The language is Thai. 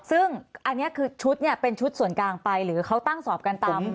ซึ่งอันนี้คือชุดเนี่ยเป็นชุดส่วนกลางไปหรือเขาตั้งสอบกันตาม